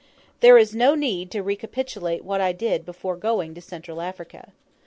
There is no need to recapitulate what I did before going to Central Africa.